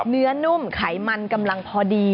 เนื้อนุ่มไขมันกำลังพอดี